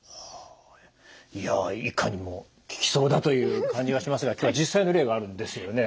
いやいかにも効きそうだという感じがしますが今日は実際の例があるんですよね？